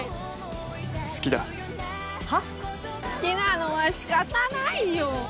「好きなのは仕方ないよ」